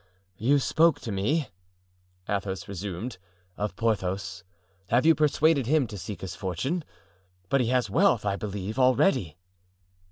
"You spoke to me," Athos resumed, "of Porthos; have you persuaded him to seek his fortune? But he has wealth, I believe, already."